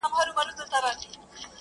ته لېونۍ خو نه یې؟-